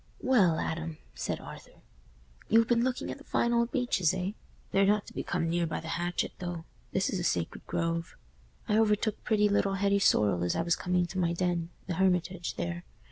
"Well, Adam," said Arthur, "you've been looking at the fine old beeches, eh? They're not to be come near by the hatchet, though; this is a sacred grove. I overtook pretty little Hetty Sorrel as I was coming to my den—the Hermitage, there.